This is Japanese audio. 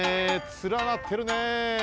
つらなってるねえ。